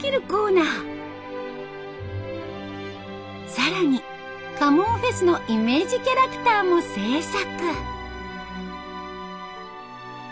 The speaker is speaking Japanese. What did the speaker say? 更に家紋フェスのイメージキャラクターも制作。